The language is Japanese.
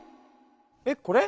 えっこれ？